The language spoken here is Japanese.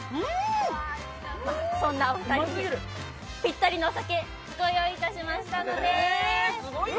そんなお二人にピッタリのお酒ご用意しましたので。